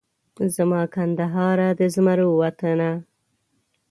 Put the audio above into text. زما کندهاره د زمرو وطنه